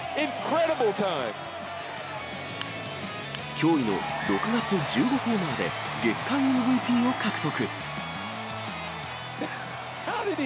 驚異の６月１５ホーマーで、月間ＭＶＰを獲得。